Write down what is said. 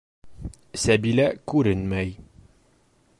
Сәбилә күренмәй...